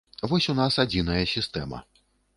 Вось у нас адзіная сістэма.